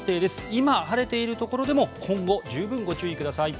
今、晴れているところでも今後、十分ご注意ください。